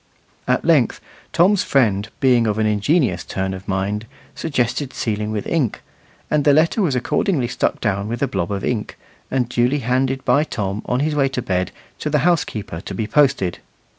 At length Tom's friend, being of an ingenious turn of mind, suggested sealing with ink; and the letter was accordingly stuck down with a blob of ink, and duly handed by Tom, on his way to bed, to the housekeeper to be posted.